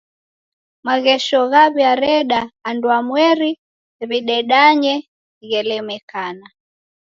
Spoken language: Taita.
Maghesho ghew'ireda andwamweri w'idedanye ghelemekana.